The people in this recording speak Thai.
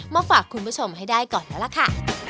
มาฝากคุณผู้ชมให้ได้ก่อนแล้วล่ะค่ะ